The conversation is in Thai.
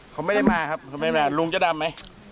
เขาไม่ได้มาครับลุงจะดำไหม